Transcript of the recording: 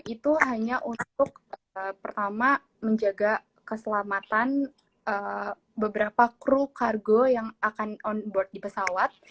itu hanya untuk pertama menjaga keselamatan beberapa kru kargo yang akan on board di pesawat